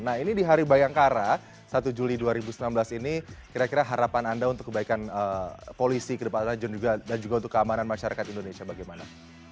nah ini di hari bayangkara satu juli dua ribu sembilan belas ini kira kira harapan anda untuk kebaikan polisi kedepannya dan juga untuk keamanan masyarakat indonesia bagaimana